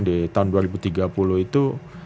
di tahun dua ribu tiga puluh itu